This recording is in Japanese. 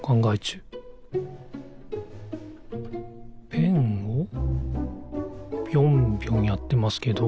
ペンをぴょんぴょんやってますけど。